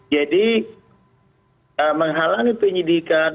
jadi menghalangi penyelidikan